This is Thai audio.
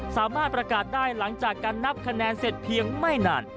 สามารถประกาศได้หลังจากการนับคะแนนเสร็จเพียงไม่นาน